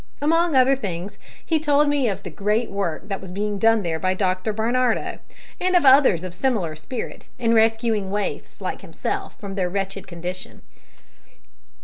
Among other things, he told me of the great work that was being done there by Dr Barnardo and others of similar spirit, in rescuing waifs like himself from their wretched condition.